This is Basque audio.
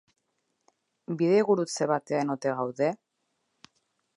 Bidegurutze batean ote gaude?